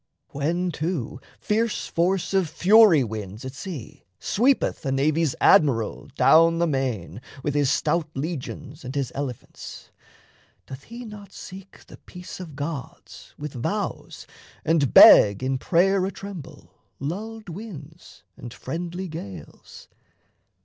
When, too, fierce force of fury winds at sea Sweepeth a navy's admiral down the main With his stout legions and his elephants, Doth he not seek the peace of gods with vows, And beg in prayer, a tremble, lulled winds And friendly gales?